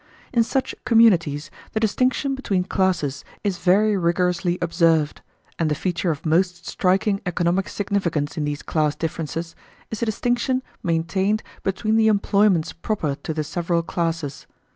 In such communities the distinction between classes is very rigorously observed; and the feature of most striking economic significance in these class differences is the distinction maintained between the employments proper to the several classes.